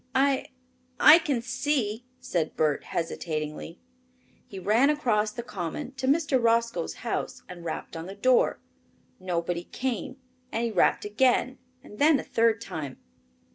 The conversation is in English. "I I can see," said Bert hesitatingly. He ran across the common to Mr. Roscoe's house and rapped on the door. Nobody came and he rapped again, and then a third time.